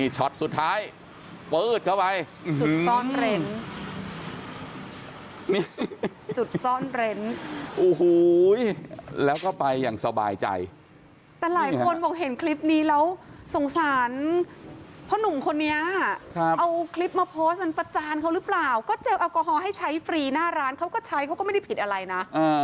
เจอแอลกอฮอล์ให้ใช้ฟรีหน้าร้านเขาก็ใช้เขาก็ไม่ได้ผิดอะไรนะ